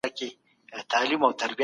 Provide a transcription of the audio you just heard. B ګروپ سخت ورزش کولای شي.